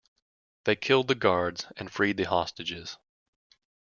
They killed the guards and freed the hostages.